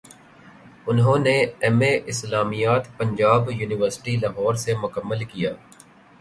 انہوں نے M A اسلامیات پنجاب یونیورسٹی لاہور سے مکمل کیا